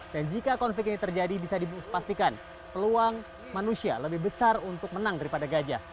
dan jika konflik ini terjadi bisa dipastikan peluang manusia lebih besar untuk menang daripada gajah